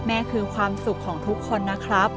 นี่คือความสุขของทุกคนนะครับ